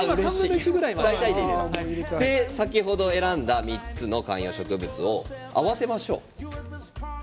これで先ほど選んだ３つの観葉植物を合わせましょう。